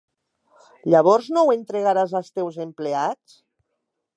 Llavors no ho entregaràs als teus empleats?